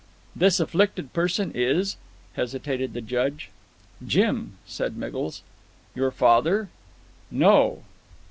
"This afflicted person is " hesitated the Judge. "Jim," said Miggles. "Your father?" "No."